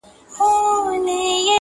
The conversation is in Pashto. خو چوپتيا لا درنه ده تل,